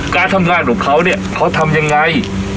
การทำงานของเขาเนี่ยเขาทำยังไง